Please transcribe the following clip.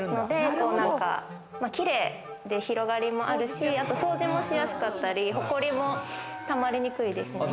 キレイで広がりもあるし、あと掃除もしやすかったりホコリもたまりにくいですね。